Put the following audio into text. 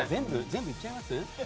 全部いっちゃいます？